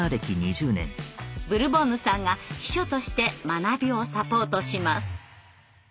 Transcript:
ブルボンヌさんが秘書として学びをサポートします。